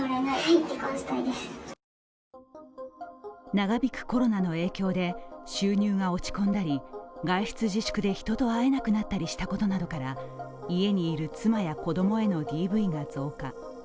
長引くコロナの影響で収入が落ち込んだり外出自粛で人と会えなくなったりしたことなどから、家にいる妻や子供へのＤＶが増加。